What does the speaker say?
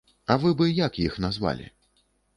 А вы бы як іх назвалі?